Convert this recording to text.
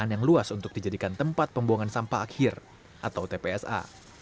yang luas untuk dijadikan tempat pembuangan sampah akhir atau tpsa